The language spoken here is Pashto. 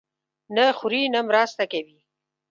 نه خوري، نه مرسته کوي.